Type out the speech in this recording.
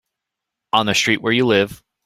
On the street where you live.